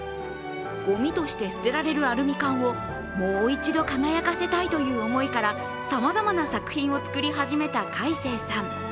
ごみとして捨てられるアルミ缶をもう一度輝かせたいという思いからさまざまな作品を作り始めたカイセイさん。